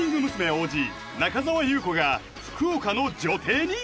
ＯＧ中澤裕子が福岡の女帝に？